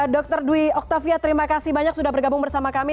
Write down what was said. dr dwi oktavia terima kasih banyak sudah bergabung bersama kami